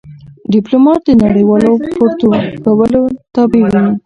ډيپلومات د نړېوالو پروتوکولونو تابع وي.